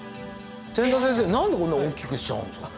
千田先生なんでこんな大きくしちゃうんですかね。